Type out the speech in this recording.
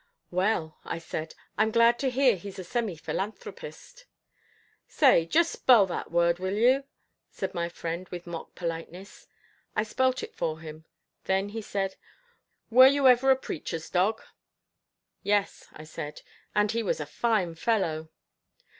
"Well," I said, "I'm glad to hear he's a semi philanthropist." "Say just spell that word, will you?" said my friend with mock politeness. I spelt it for him, then he said, "Were you ever a preacher's dog?" "Yes," I said, "and he was a fine fellow."